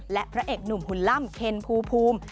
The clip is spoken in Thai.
และพระเอกหนุ่มหุ่นล่ำเคนภูมิ